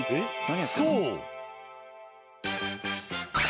そう］